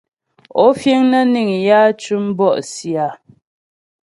Ó fíŋ nə́ níŋ yǎ tʉ́m bɔ̂'sì a ?